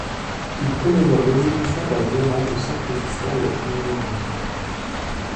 Il commémore l'exécution par les Allemands de cinq résistants de la Première Guerre mondiale.